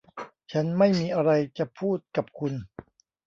ฉันไม่มีอะไรจะพูดกับคุณ